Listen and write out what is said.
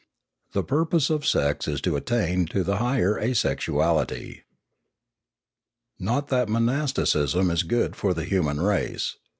The purpose of sex is to attain to the higher asexuality. Not that monasticism is good for the human race.